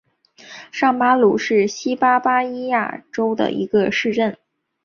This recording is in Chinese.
上巴鲁是巴西巴伊亚州的一个市镇。